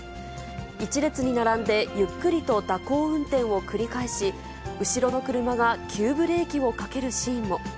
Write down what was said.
１列に並んで、ゆっくりと蛇行運転を繰り返し、後ろの車が急ブレーキをかけるシーンも。